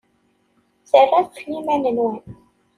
Terram ɣef yiman-nwen.